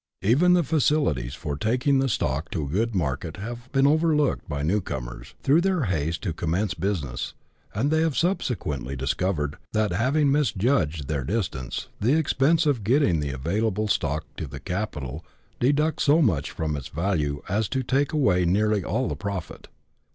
Even the facilities for taking the stock to a good market have often been overlooked by new comers, through their haste to commence business ; and they have subsequently discovered that, having misjudged their distance, the expenses of getting the saleable stock to the capital deduct so much from its value as to take away nearly all the profit.